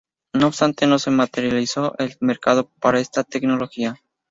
No obstante, no se materializó el mercado para esta tecnología.